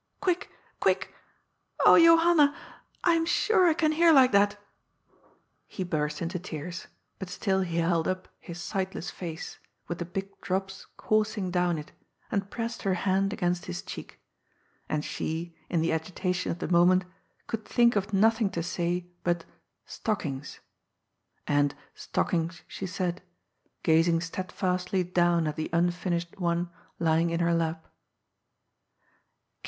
Quick ! quick ! Oh, Johan na ! I am sure I can hear like that.'' He burst into tears, but still he held up his sightless face, with the big drops coursing down it, and pressed her hand against his cheek. And she, in the agitation of the moment, could think of nothing to say but " stockings," and " stock ings " she said, gazing steadfastly down at the unfinished one lying in her lap.